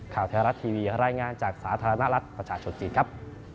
ข่าวไทยรัฐทีวีรายงานจากสาธารณรัฐประชาชนจีนครับ